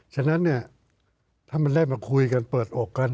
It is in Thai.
ฉะนั้นเนี่ยถ้ามันได้มาคุยกันเปิดอกกัน